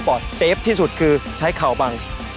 เซฟที่สุดคือใช้เข่าบัง